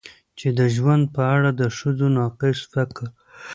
چې د ژوند په اړه د ښځو ناقص فکر